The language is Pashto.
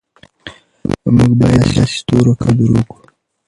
موږ باید د داسې ستورو قدر وکړو.